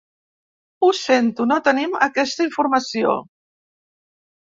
Ho sento, no tenim aquesta informació.